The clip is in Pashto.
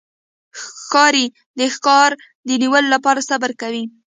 ښکاري د ښکار د نیولو لپاره صبر کوي.